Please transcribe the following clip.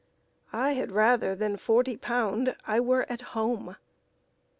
I had rather than forty pound I were at home.